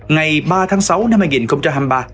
ngày ba tháng sáu năm hai nghìn hai mươi ba